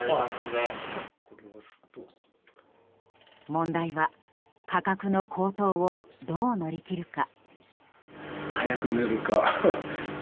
問題は、価格の高騰をどう乗り切るか。